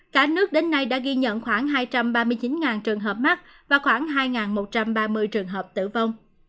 cả nước đến nay đã ghi nhận khoảng hai trăm ba mươi chín trường hợp mắc và khoảng hai một trăm ba mươi trường hợp tử vong